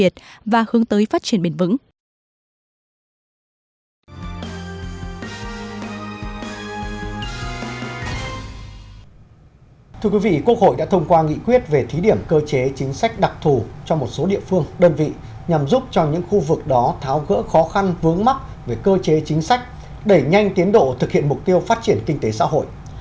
thưa quý vị quốc hội đã thông qua nghị quyết về thí điểm cơ chế chính sách đặc thù cho một số địa phương đơn vị nhằm giúp cho những khu vực đó tháo gỡ khó khăn vướng mắc về cơ chế chính sách đẩy nhanh tiến độ thực hiện mục tiêu phát triển kinh tế xã hội